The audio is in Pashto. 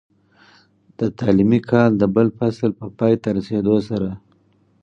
د تعليمي کال د بل فصل په پای ته رسېدو سره،